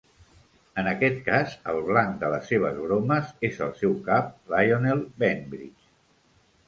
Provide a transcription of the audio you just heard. En aquest cas, el blanc de les seves bromes és el seu cap, Lionel Bainbridge.